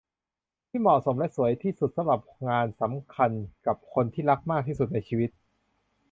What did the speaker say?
ที่เหมาะสมและสวยที่สุดสำหรับงานสำคัญกับคนที่รักมากที่สุดในชีวิต